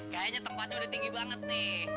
kayaknya tempatnya udah tinggi banget nih